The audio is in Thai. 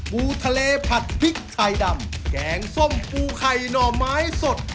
ปูทะเลผัดพริกไทยดำแกงส้มปูไข่หน่อไม้สด